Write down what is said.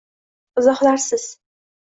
Izohlarsiz